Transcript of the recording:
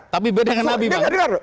tapi beda dengan nabi banget loh